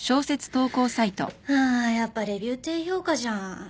あやっぱレビュー低評価じゃん。